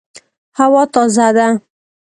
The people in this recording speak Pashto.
هوا تازه ده